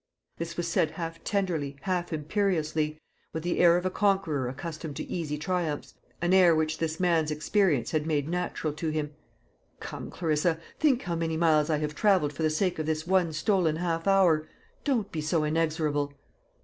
This was said half tenderly, half imperiously with the air of a conqueror accustomed to easy triumphs, an air which this man's experience had made natural to him. "Come, Clarissa, think how many miles I have travelled for the sake of this one stolen half hour. Don't be so inexorable."